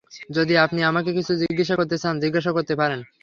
যদি আপনি আমাকে কিছু জিজ্ঞাসা করতে চান জিজ্ঞাসা করতে পারেন।